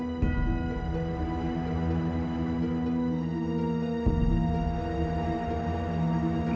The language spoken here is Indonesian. anak aku sendiri